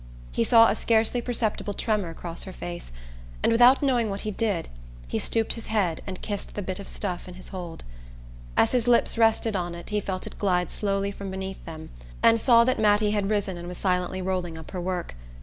He saw a scarcely perceptible tremor cross her face, and without knowing what he did he stooped his head and kissed the bit of stuff in his hold. As his lips rested on it he felt it glide slowly from beneath them, and saw that Mattie had risen and was silently rolling up her work.